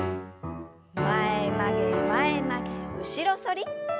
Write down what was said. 前曲げ前曲げ後ろ反り。